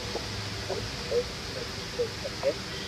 او ڪري ڪري ھگي